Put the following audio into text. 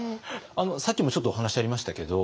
さっきもちょっとお話ありましたけど